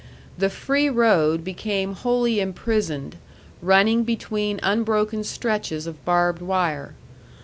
The free road became wholly imprisoned, running between unbroken stretches of barbed wire.